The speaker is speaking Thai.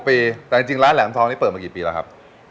ปีแต่จริงร้านแหลมทองนี้เปิดมากี่ปีแล้วครับ